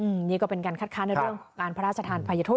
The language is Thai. อืมนี่ก็เป็นการคัดค้านในเรื่องของการพระราชทานภัยโทษ